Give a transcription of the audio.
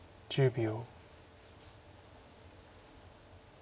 １０秒。